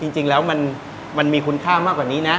จริงแล้วมันมีคุณค่ามากกว่านี้นะ